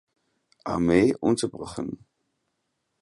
Armee unterbrochen.